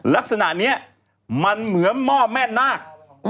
ลักษณะนี้มันเหมือนหม้อแม่นาค